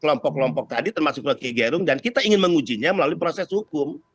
kelompok kelompok tadi termasuk rocky gerung dan kita ingin mengujinya melalui proses hukum